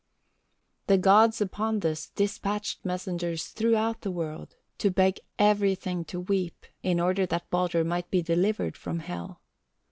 "The gods upon this dispatched messengers throughout the world, to beg everything to weep, in order that Baldur might be delivered from Hel.